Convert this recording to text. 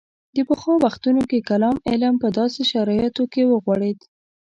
د پخوا وختونو کې کلام علم په داسې شرایطو کې وغوړېد.